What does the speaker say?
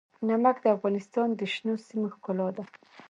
نمک د افغانستان د شنو سیمو ښکلا ده.